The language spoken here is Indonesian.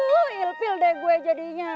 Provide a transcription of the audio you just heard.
aduh ilfil deh gue jadinya